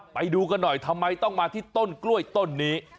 ไปดูกันหน่อยทำไมต้องมาที่ต้นกล้วยต้นนี้